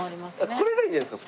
これがいいんじゃないですか？